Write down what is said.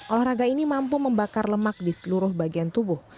olahraga ini mampu membakar lemak di seluruh bagian tubuh